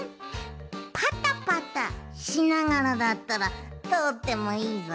パタパタしながらだったらとおってもいいぞ。